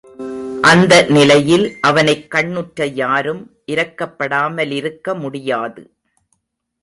அந்த நிலையில் அவனைக் கண்ணுற்ற யாரும் இரக்கப்படாமலிருக்கமுடியாது.